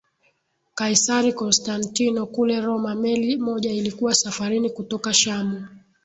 Kaisari Konstantino kule Roma meli moja ilikuwa safarini kutoka Shamu